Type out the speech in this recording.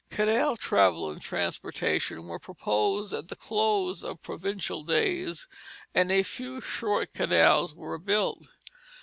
Canal travel and transportation were proposed at the close of provincial days, and a few short canals were built.